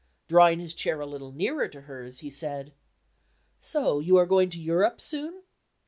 Drawing his chair a little nearer to hers, he said: "So you are going to Europe, soon?"